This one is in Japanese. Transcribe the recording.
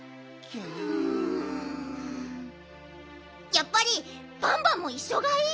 やっぱりバンバンもいっしょがいい！